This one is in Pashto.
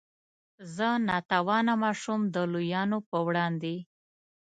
زه نا توانه ماشوم د لویانو په وړاندې.